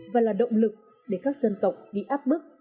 và là động lực để các dân tộc bị áp bức